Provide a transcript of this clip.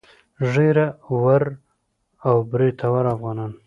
ږيره ور او برېتور افغانان.